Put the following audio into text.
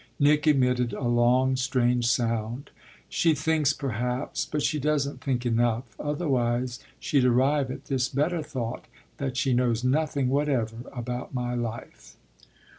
Nick emitted a long strange sound. "She thinks perhaps, but she doesn't think enough; otherwise she'd arrive at this better thought that she knows nothing whatever about my life."